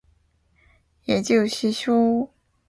也就是说，活动马上就要停止了。